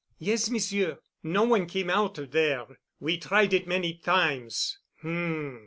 "Yes, Monsieur. No one came out of there. We tried it many times." "H m.